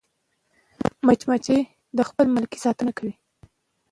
مچمچۍ د خپل ملکې ساتنه کوي